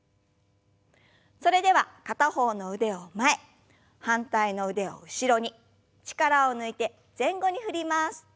それでは片方の腕を前反対の腕を後ろに力を抜いて前後に振ります。